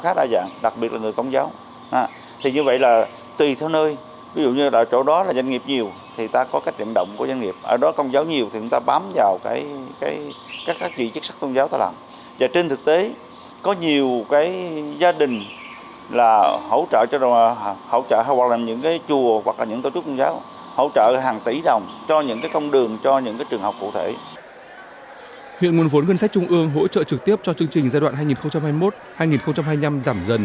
huyện nguồn vốn ngân sách trung ương hỗ trợ trực tiếp cho chương trình giai đoạn hai nghìn hai mươi một hai nghìn hai mươi năm giảm dần